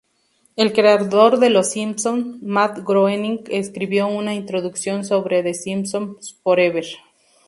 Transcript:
El creador de "Los Simpson", Matt Groening, escribió una introducción sobre "The Simpsons Forever!".